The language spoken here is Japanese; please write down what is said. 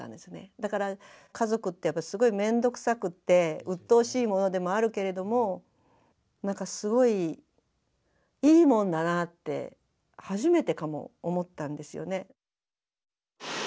だから家族ってやっぱすごい面倒くさくってうっとうしいものでもあるけれどもなんかすごいいいもんだなって初めてかも思ったんですよね。